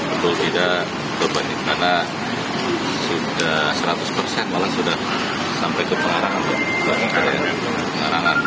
untuk tidak kebanyakan karena sudah seratus malah sudah sampai ke pengarangan